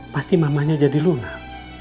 pasti mamahnya jadi lunak